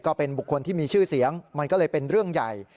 ก็เป็นบุคคลที่มีชื่อเสียงมันก็เลยเป็นเรื่องใหญ่